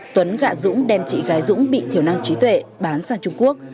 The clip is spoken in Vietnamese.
tuấn gạ dũng đem chị gái dũng bị thiểu năng trí tuệ bán sang trung quốc